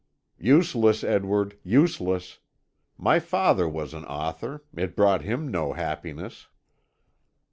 "Useless, Edward, useless! My father was an author; it brought him no happiness."